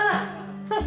ハハハハ。